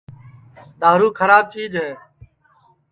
دؔارُو کھراب چِیج ہے